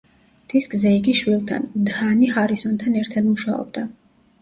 დისკზე იგი შვილთან, დჰანი ჰარისონთან ერთად მუშაობდა.